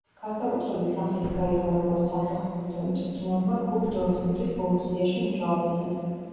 განსაკუთრებით სახელი გაითქვა როგორც საფეხბურთო მწვრთნელმა კლუბ დორტმუნდის „ბორუსიაში“ მუშაობისას.